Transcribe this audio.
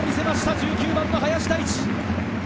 １９番・林大地。